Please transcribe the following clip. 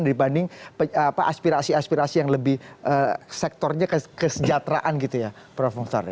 dibanding aspirasi aspirasi yang lebih sektornya kesejahteraan gitu ya prof mongsar ya